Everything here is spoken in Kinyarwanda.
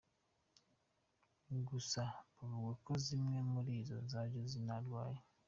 Gusa bavuga ko zimwe muri zo zaje zinarwaye.